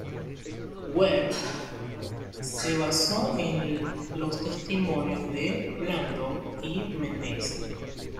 Webb se basó en los testimonios de Blandón y Meneses.